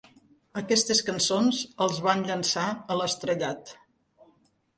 Aquestes cançons els van llançar a l'estrellat.